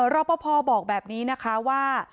ระเบิดพอบอกแบบนี้นะคะว่า